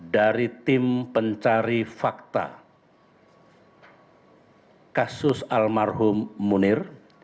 dari tim pencari fakta kasus almarhum munir